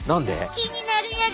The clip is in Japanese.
気になるやろ？